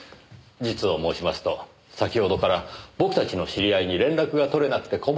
実を申しますと先ほどから僕たちの知り合いに連絡が取れなくて困っています。